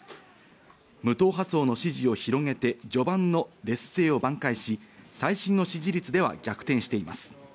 無党派層の支持を広げて序盤の劣勢を挽回し、最新の支持率では逆転しています。